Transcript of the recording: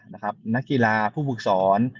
นะครับนักกีฬาผู้บุคสร